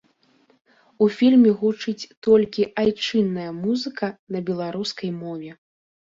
У фільме гучыць толькі айчынная музыка на беларускай мове.